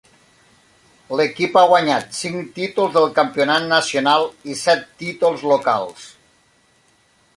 L'equip ha guanyat cinc títols de campionat nacional i set títols locals.